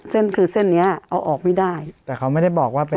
เส้นคือเส้นเนี้ยเอาออกไม่ได้แต่เขาไม่ได้บอกว่าเป็น